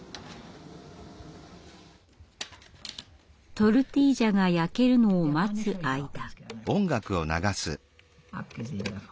トルティージャが焼けるのを待つ間。